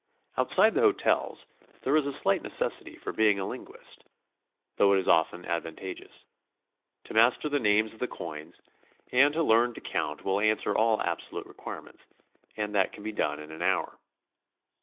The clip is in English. Outside the hotels there is slight necessity for being a linguist, thoug'h it is often advantageous. To master die names of the coins and to learn to count will answer all abso lute requirements, and that can be done in an hour.